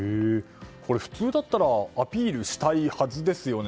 これ、普通だったらアピールしたいはずですよね。